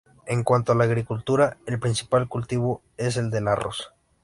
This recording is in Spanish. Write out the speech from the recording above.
En cuanto a la agricultura, el principal cultivo es el del arroz.